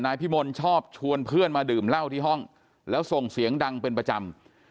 พี่มนต์ชอบชวนเพื่อนมาดื่มเหล้าที่ห้องแล้วส่งเสียงดังเป็นประจำ